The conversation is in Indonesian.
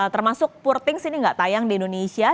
termasuk pur things ini nggak tayang di indonesia